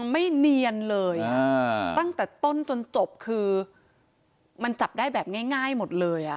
ไม่เนียนเลยตั้งแต่ต้นจนจบคือมันจับได้แบบง่ายหมดเลย